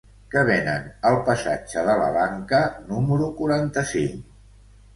Què venen al passatge de la Banca número quaranta-cinc?